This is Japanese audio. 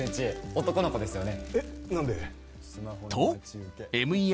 男の子ですよね